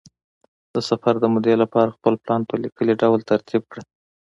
د سفر د مودې لپاره خپل پلان په لیکلي ډول ترتیب کړه.